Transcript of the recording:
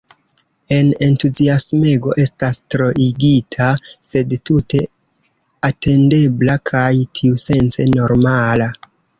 La entuziasmego estas troigita, sed tute atendebla kaj tiusence normala.